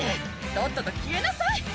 とっとと消えなさい！